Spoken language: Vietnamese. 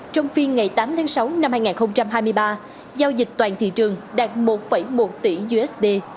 trong phiên ngày tám tháng sáu năm hai nghìn hai mươi ba giao dịch toàn thị trường đạt một một tỷ usd